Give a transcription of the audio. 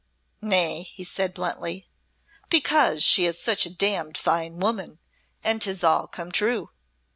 "Nay," he said, bluntly, "because she is such a damned fine woman, and 'tis all come true!"